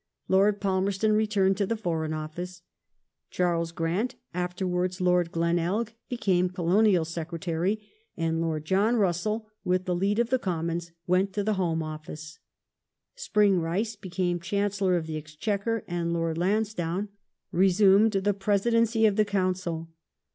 Lord Palmerston returned to the Foreign Office, second ~ Ministry Charles Grant (afterwards Lord Glenelg) became Colonial Secretary, and Lord John Russell, with the lead of the Commons, went to the Home Office. Spring Rice became Chancellor of the Exchequer and Lord Lansdowne resumed the Presidency of the Council.